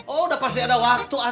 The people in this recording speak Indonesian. oh udah pasti ada waktu